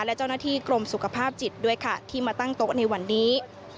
และเจ้าหน้าที่กรมสุขภาพจิตด้วยค่ะที่มาตั้งโต๊ะในวันนี้